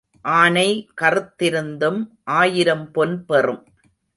ஆனை கறுத்திருந்தும் ஆயிரம் பொன் பெறும்.